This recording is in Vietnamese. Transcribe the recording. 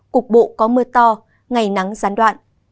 cục bộ có mưa to ngày nắng gián đoạn